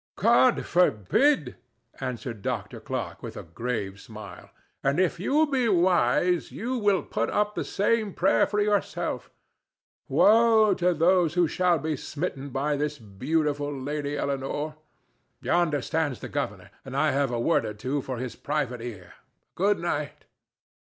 "God forbid!" answered Dr. Clarke, with a grave smile; "and if you be wise, you will put up the same prayer for yourself. Woe to those who shall be smitten by this beautiful Lady Eleanore! But yonder stands the governor, and I have a word or two for his private ear. Good night!"